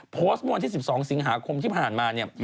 โพสต์เมื่อวันที่๑๒สิงหาคมที่ผ่านมาเนี่ย